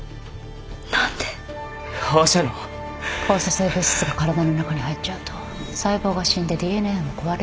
放射性物質が体の中に入っちゃうと細胞が死んで ＤＮＡ も壊れるらしいの